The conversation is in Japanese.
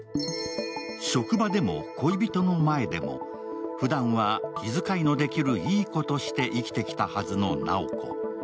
職場でも恋人の前でもふだんは気遣いのできるいい子として生きてきたはずの直子。